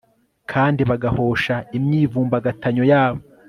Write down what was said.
kandi bagahosha imyivumbagatanyo yabo